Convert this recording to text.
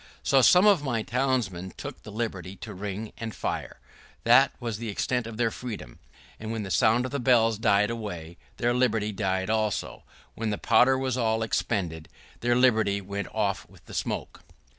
So some of my townsmen took the liberty to ring and fire. That was the extent of their freedom; and when the sound of the bells died away, their liberty died away also; when the powder was all expended, their liberty went off with the smoke.